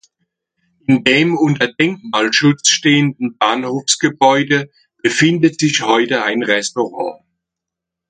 In dem unter Denkmalschutz stehenden Bahnhofsgebäude befindet sich heute ein Restaurant.